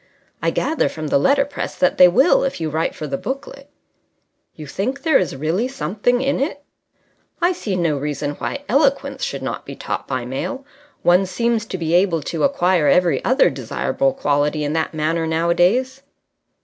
"I gather from the letterpress that they will if you write for the booklet." "You think there is really something in it?" "I see no reason why eloquence should not be taught by mail. One seems to be able to acquire every other desirable quality in that manner nowadays."